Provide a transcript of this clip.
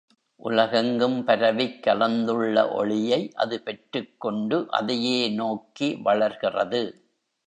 உலகெங்கும் பரவிக் கலந்துள்ள ஒளியை அது பெற்றுக்கொண்டு அதையே நோக்கி வளர்கிறது.